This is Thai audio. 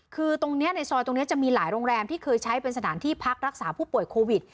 คือตรงนี้ในซอยตรงนี้จะมีหลายโรงแรมที่เคยใช้เป็นสถานที่พักรักษาผู้ป่วยโควิด